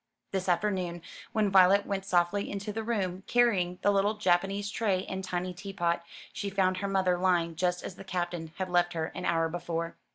This afternoon, when Violet went softly into the room, carrying the little Japanese tray and tiny teapot, she found her mother lying just as the Captain had left her an hour before.